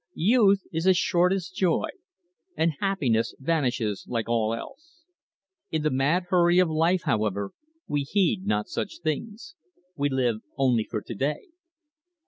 Youth is as short as joy, and happiness vanishes like all else. In the mad hurry of life, however, we heed not such things. We live only for to day.